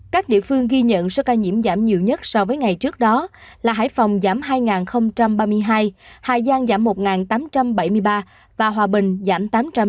các địa phương ghi nhận số ca nhiễm giảm nhiều nhất so với ngày trước đó là hải phòng giảm hai ba mươi hai hà giang giảm một tám trăm bảy mươi ba và hòa bình giảm tám trăm ba mươi